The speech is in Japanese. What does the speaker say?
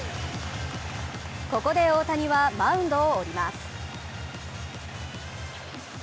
ここで大谷はマウンドを降ります。